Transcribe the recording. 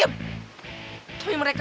tapi mereka selalu serang kita